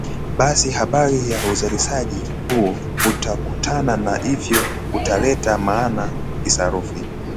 basi habari ya uzalishaji huo utakutana na hivyo utaleta maana kisarufi